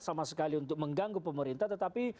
sama sekali untuk mengganggu pemerintah tetapi